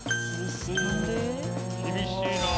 厳しいなぁ。